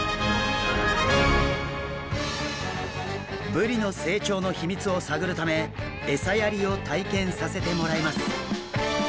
ブリの成長の秘密を探るため餌やりを体験させてもらいます。